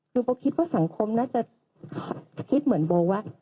คือโบคิดว่าสังคมน่าจะคิดเหมือนโบว่า